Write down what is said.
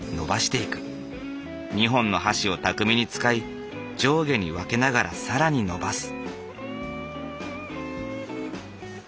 ２本の箸を巧みに使い上下に分けながら更に延ばす。